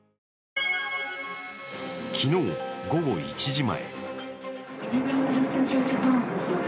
昨日午後１時前。